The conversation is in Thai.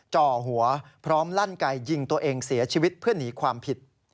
จ่อหัวพร้อมลั่นไกยิงตัวเองเสียชีวิตเพื่อหนีความผิด